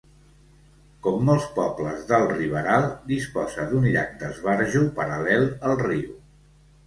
Com molts pobles del Riberal, disposa d'un llac d'esbarjo paral·lel al riu.